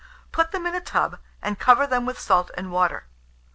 Put them in a tub, and cover them with salt and water.